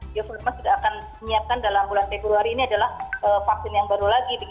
bio farma sudah akan menyiapkan dalam bulan februari ini adalah vaksin yang baru lagi